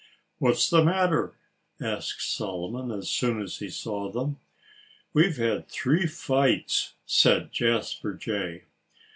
"What's the matter?" asked Solomon, as soon as he saw them. "We've had three fights," said Jasper Jay.